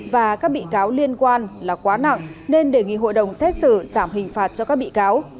và các bị cáo liên quan là quá nặng nên đề nghị hội đồng xét xử giảm hình phạt cho các bị cáo